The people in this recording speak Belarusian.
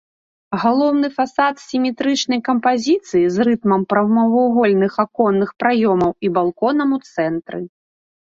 Галоўны фасад сіметрычнай кампазіцыі з рытмам прамавугольных аконных праёмаў і балконам у цэнтры.